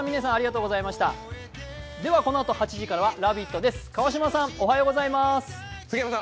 このあと８時からは「ラヴィット！」です。